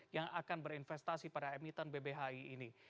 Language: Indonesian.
yang akan berinvestasi pada emiten bbhi ini